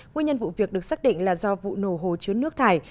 nguyên nhân vụ việc được xác định là do vụ nổ hồ chứa nước thải